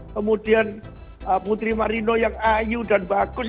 kemudian putri marino yang ayu dan bagus